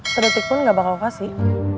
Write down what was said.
walaupun gak bakal kasih